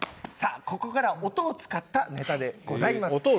さあここからは音を使ったネタでございます。